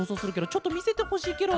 ちょっとみせてほしいケロ。